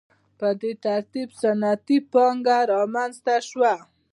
په دې ترتیب صنعتي پانګه رامنځته شوه.